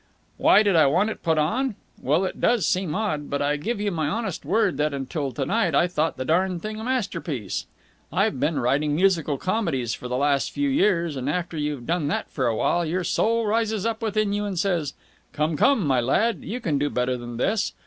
"Why did I want it put on? Well, it does seem odd, but I give you my honest word that until to night I thought the darned thing a masterpiece. I've been writing musical comedies for the last few years, and after you've done that for a while your soul rises up within you and says, 'Come, come, my lad! You can do better than this!'